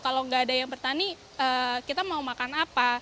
kalau nggak ada yang bertani kita mau makan apa